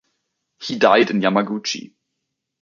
He died in Yamaguchi.